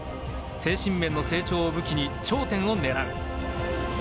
精神面での成長を武器に頂点を狙う。